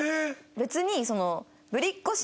別にその。